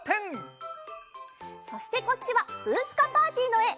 そしてこっちは「ブー！スカ・パーティー！」のえ！